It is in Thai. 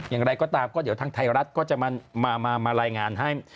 อย่างไรก็ตามก็เดี๋ยวทางไทยรัฐก็จะมารายงานให้